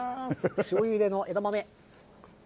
塩ゆでの枝豆。